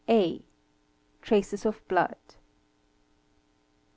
| 1 A. Traces of blood.